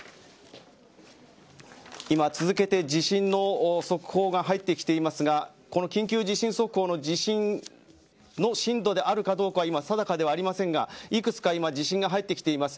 今、続けて地震の速報が入ってきていますがこの緊急地震速報の地震の震度であるかどうかは今、定かではありませんがいくつか今地震が入ってきています。